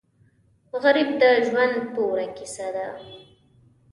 غریب د ژوند توره کیسه ده